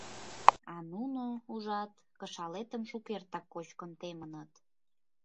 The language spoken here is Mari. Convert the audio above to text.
А нуно, ужат, кышалетым шукертак кочкын темыныт.